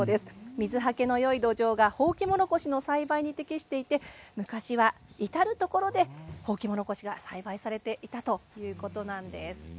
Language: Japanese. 水はけのよい土壌がホウキモロコシの栽培に適していて昔は至る所でホウキモロコシが栽培されていたということなんです。